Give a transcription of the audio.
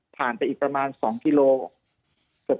ไปอีกประมาณ๒กิโลกรัม